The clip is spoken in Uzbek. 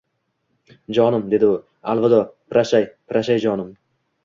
— Jonim! — dedi u. Alvido, proshay, proshay, jonim!